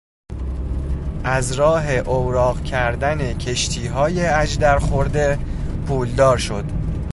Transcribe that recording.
از راه اوراق کردن کشتیهای اژدر خورده پولدار شد.